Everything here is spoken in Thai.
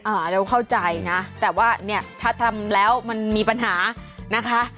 เราเข้าใจนะแต่ว่าเนี่ยถ้าทำแล้วมันมีปัญหานะคะ